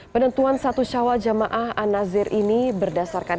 penentuan satu syawal jamaah an nazir ini berdasarkan